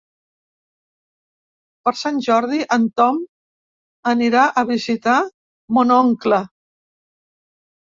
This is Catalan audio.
Per Sant Jordi en Ton anirà a visitar mon oncle.